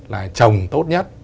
là trồng tốt nhất